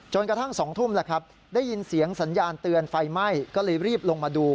กระทั่ง๒ทุ่มแหละครับได้ยินเสียงสัญญาณเตือนไฟไหม้ก็เลยรีบลงมาดู